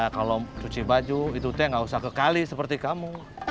kalau cuci baju itu teh gak usah kekali seperti kamu